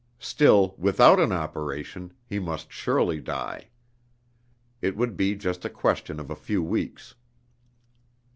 Still, without an operation, he must surely die. It would be just a question of a few weeks.